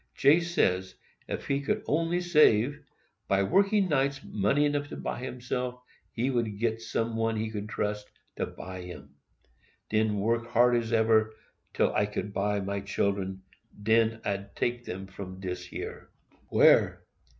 J. says, if he could only save, by working nights, money enough to buy himself, he would get some one he could trust to buy him; "den work hard as eber, till I could buy my children, den I'd get away from dis yer."— "Where?"